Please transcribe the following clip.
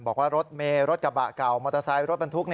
บอกว่ารถเมรถกระบะเก่ามอเตอร์ไซค์รถบรรทุก